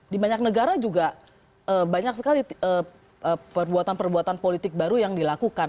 di banyak negara juga banyak sekali perbuatan perbuatan politik baru yang dilakukan